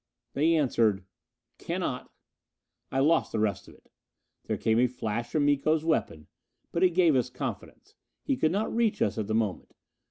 They answered: "Cannot " I lost the rest of it. There came a flash from Miko's weapon. But it gave us confidence. He could not reach us at the moment.